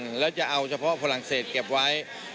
ออกจากกันจะเอาเฉพาะฝรั่งเศษเก็บไว้